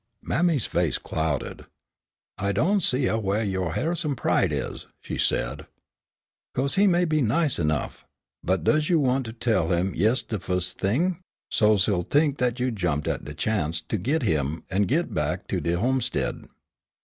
Mammy's face clouded. "I doan' see whaih yo' Ha'ison pride is," she said; "co'se, he may be nice enough, but does you want to tell him yes de fust t'ing, so's he'll t'ink dat you jumped at de chanst to git him an' git back in de homestid?"